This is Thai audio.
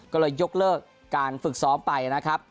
ก็เลยยกเลิกการฝึกซ้อมไปนะครับ